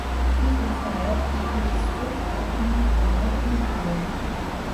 Diese Zeit verkürzt sich abhängig von der Flughöhe.